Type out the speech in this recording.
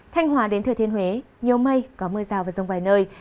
thanh hòa đến thừa thiên huế nhiều mây có mưa rào và rông vài nơi